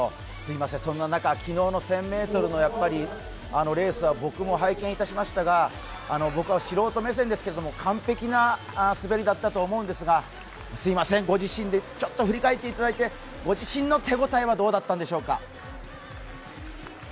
そんな中、昨日の１０００ｍのレースは僕も拝見しましたが、僕は素人目線ですけれども、完璧な滑りだったと思うんですが、すいません、ご自身でちょっと振り返っていただいて、ご自身の手応えはどうだったんでしょうか。